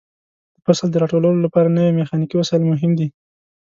د فصل د راټولولو لپاره نوې میخانیکي وسایل مهم دي.